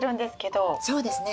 そうですね。